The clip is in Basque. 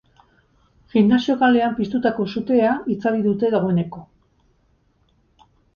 Gimnasio kalean piztutako sutea itzali dute dagoeneko.